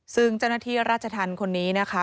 ซึ่งเจ้าหน้าที่ราชธรรมคนนี้นะคะ